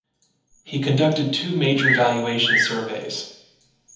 He conducted two major valuation surveys.